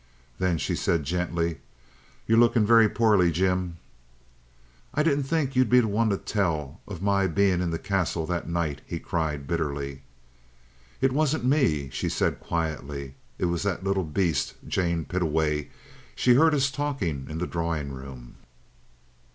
Then she said gently: "You're looking very poorly, Jim." "I didn't think you'd be the one to tell of my being in the Castle that night!" he cried bitterly. "It wasn't me," she said quietly. "It was that little beast, Jane Pittaway. She heard us talking in the drawing room."